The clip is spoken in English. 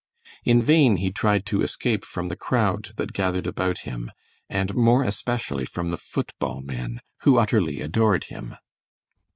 In vain he tried to escape from the crowd that gathered about him, and more especially from the foot ball men, who utterly adored him.